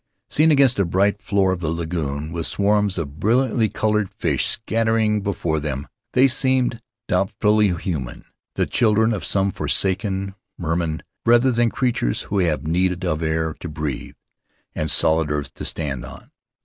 Seen against the bright floor of the lagoon, with swarms of brilliantly colored fish scattering Faery Lands of the South Seas before them, they seemed doubtfully human, the children of some forsaken merman rather than creatures who have need of air to breathe and solid earth to stand on.